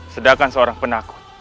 sedangkan seorang penakut